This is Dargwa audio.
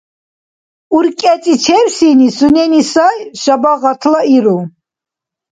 УркӀецӀичевсини сунени сай шабагъатлаиру.